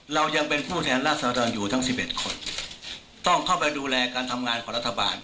เรายังเป็นผู้แทนราษฎรอยู่ทั้ง๑๑คนต้องเข้าไปดูแลการทำงานของรัฐบาล